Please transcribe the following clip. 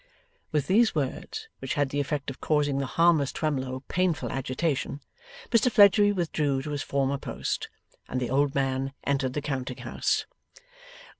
With these words, which had the effect of causing the harmless Twemlow painful agitation, Mr Fledgeby withdrew to his former post, and the old man entered the counting house.